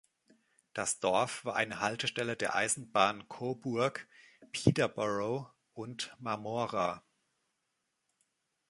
Das Dorf war eine Haltestelle der Eisenbahn Cobourg, Peterborough & Marmora.